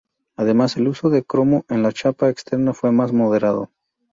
Además, el uso de cromo en la chapa externa fue más moderado.